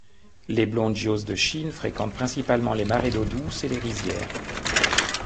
Le Blongios de Chine fréquente principalement les marais d’eau douce et les rizières.